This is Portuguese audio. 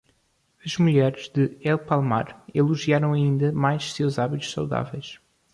As mulheres de El Palmar elogiaram ainda mais seus hábitos saudáveis.